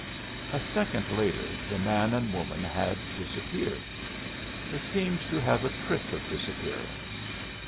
A second later the man and woman had disappeared. They seemed to have a trick of disappearing.